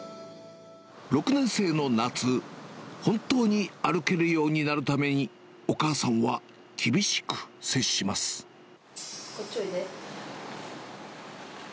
６年生の夏、本当に歩けるようになるために、こっちおいで。